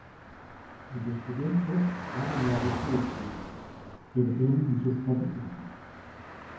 Els estudiants sords van amb la resta d'estudiants, però tenen els seus propis professors.